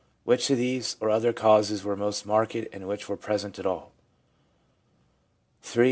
Which of these or other causes were most marked, and which were present at all? 4 III.